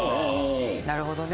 なるほどね。